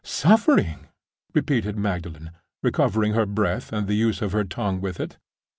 "Suffering!" repeated Magdalen, recovering her breath, and the use of her tongue with it.